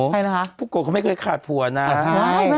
ใครละครับพวกกอบเขาไม่เคยขาดผัวนะ